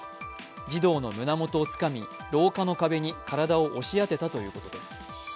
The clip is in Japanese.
児童の胸元をつかみ廊下の壁に体を押し当てたということです。